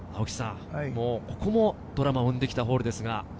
ここもドラマを生んできたホールです。